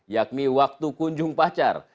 yakni waktu kunjung pacar